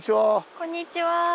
こんにちは。